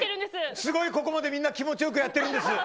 すごいここまでみんな気持ちよくやってるんです。